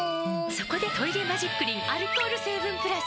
そこで「トイレマジックリン」アルコール成分プラス！